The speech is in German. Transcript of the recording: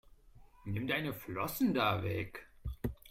Nimm deine Flossen da weg!